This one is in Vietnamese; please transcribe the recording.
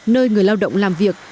nơi người lao động làm việc